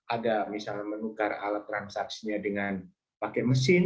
ada misalnya menukar alat transaksinya dengan pakai mesin